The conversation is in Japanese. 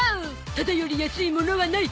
タダより安いものはない